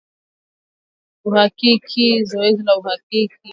Gazeti limepata taarifa kuwa Kenya na Uganda walikataa uamuzi wa zoezi la uhakiki